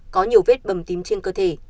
có nhiều vết bầm tím trên cơ thể